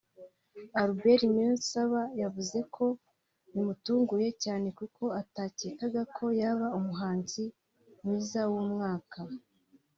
Albert Niyonsaba yavuze ko bimutunguye cyane kuko atacyekaga ko yaba umuhanzi mwiza w'umwaka